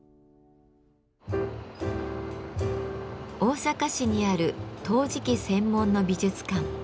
大阪市にある陶磁器専門の美術館。